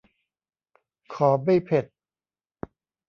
ขอไม่เผ็ด